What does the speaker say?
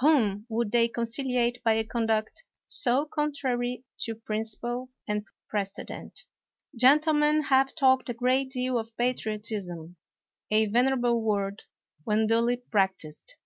Whom would they conciliate by a conduct so contrary to principle and precedent ? Gentlemen have talked a great deal of patriot ism. A venerable word, when duly practised.